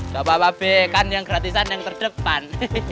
gak apa apa be kan yang gratisan yang terdepan